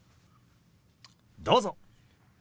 どうぞ。